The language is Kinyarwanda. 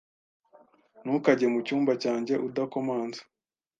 Ntukajye mucyumba cyanjye udakomanze.